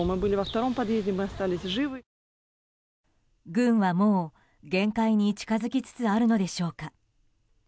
軍はもう限界に近付きつつあるのでしょうか。